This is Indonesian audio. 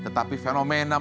tetapi fenomena ini terjadi